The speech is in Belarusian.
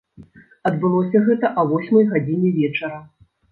Адбылося гэта а восьмай гадзіне вечара.